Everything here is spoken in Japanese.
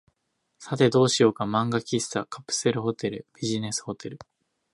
さて、どうしようか。漫画喫茶、カプセルホテル、ビジネスホテル、